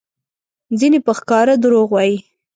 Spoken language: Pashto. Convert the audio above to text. ځینې په ښکاره دروغ وایي؛